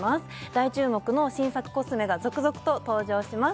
大注目の新作コスメが続々と登場します